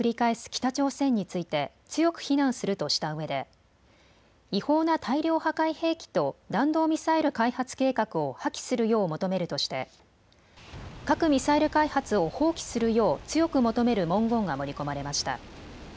北朝鮮について強く非難するとしたうえで違法な大量破壊兵器と弾道ミサイル開発計画を破棄するよう求めるとして核・ミサイル開発を放棄するよう強く求める文言が盛り込まれました。